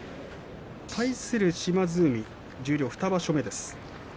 対する島津海、十両２場所目です。